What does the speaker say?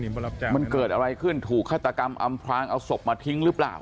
มันเกิดอะไรขึ้นถูกฆาตกรรมอำพลางเอาศพมาทิ้งหรือเปล่า